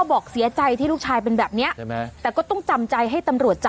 เบิร์ตลมเสียโอ้โหเบิร์ตลมเสียโอ้โห